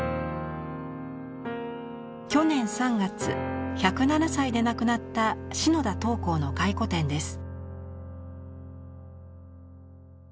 去年３月１０７歳で亡くなった篠田桃紅の回顧展です。